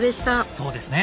そうですね。